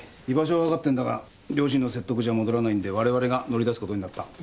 居場所は分かってんだが両親の説得じゃ戻らないんでわれわれが乗り出すことになった。